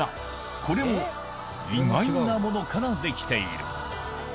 これも意外なものから出来ている。